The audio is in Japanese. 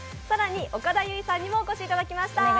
更に岡田結実さんにもお越しいただきました。